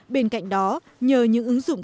bên cạnh đó nhờ những ứng dụng